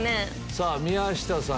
さあ宮下さん